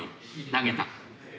投げた。